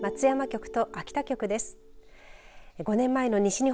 松山局と秋田局です。